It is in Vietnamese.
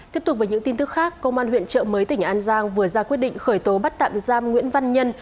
tiếp tục với những tin tức khác công an huyện trợ mới tỉnh an giang vừa ra quyết định khởi tố bắt tạm giam nguyễn văn nhân